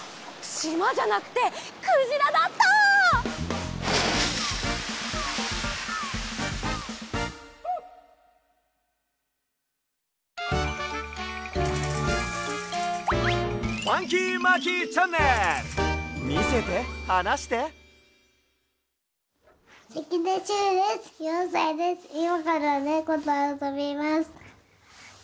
いまからねことあそびます。